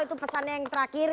itu pesannya yang terakhir